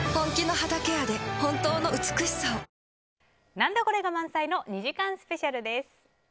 何だコレ！？が満載の２時間スペシャルです。